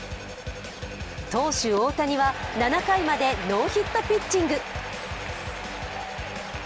投手・大谷は、７回までノーヒットピッチング。